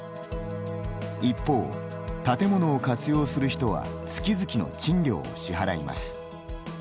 一方、建物を活用する人は月々の賃料を支払います。